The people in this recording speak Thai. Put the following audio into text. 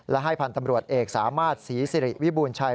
และให้พันธ์ตำรวจเอกสามารถศรีสิริวิบูรณชัย